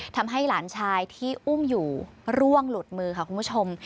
ทำให้หลานชายที่อุ้มอยู่ร่วงหลุดมือค่ะคุณผู้ชม